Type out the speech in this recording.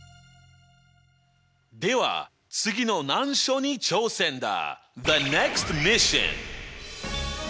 では次の難所に挑戦だ！